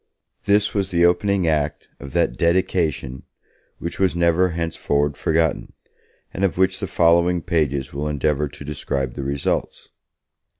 This was the opening act of that 'dedication' which was never henceforward forgotten, and of which the following pages will endeavour to describe the results.